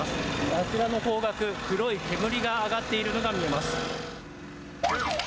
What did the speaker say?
あちらの方角、黒い煙が上がっているのが見えます。